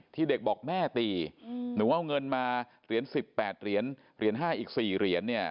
ที่เด็กบอกแม่ตีหนูเอาเงินมาเหรียญ๑๘เหรียญเหรียญ๕อีก๔เหรียญเนี่ย